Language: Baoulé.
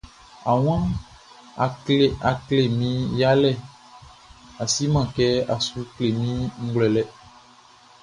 A wan, a klɛ mi yalɛ, a si man kɛ, a sou klɛ mi nʼglouɛlɛ.